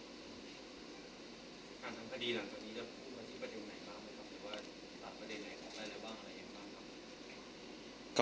การทำคดีหลังจากนี้จะพูดว่าที่ประเด็นไหนครับหรือว่าตามประเด็นไหนครับและระหว่างอะไรอย่างบ้างครับ